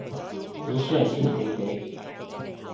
本書係師兄你畀